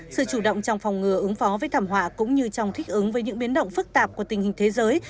sự chủ động trong phòng ngừa ứng phó với thảm họa cũng như trong thích ứng với những biến động phức tạp của tình hình thế giới